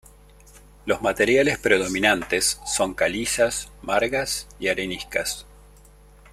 Los materiales predominantes son calizas, margas y areniscas.